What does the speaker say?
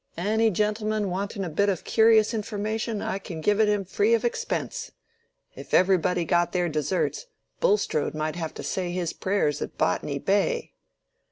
Any gentleman wanting a bit of curious information, I can give it him free of expense. If everybody got their deserts, Bulstrode might have had to say his prayers at Botany Bay."